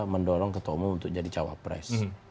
mendorong ketua umum untuk jadi cawapres